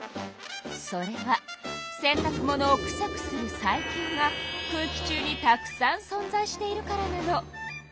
それは洗たく物をくさくする細菌が空気中にたくさんそんざいしているからなの。